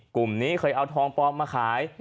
กลุ่มนี้เคยเอาทองปลอมมาขาย